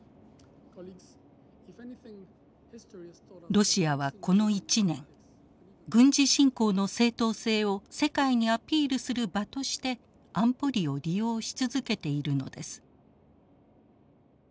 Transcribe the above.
ロシアはこの１年軍事侵攻の正当性を世界にアピールする場として安保理を利用し続けているのです。